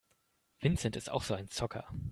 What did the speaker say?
Vincent ist auch so ein Zocker.